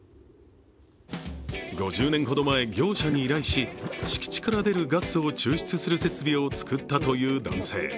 ５０年ほど前、業者に依頼し敷地から出るガスを抽出する設備を造ったという男性。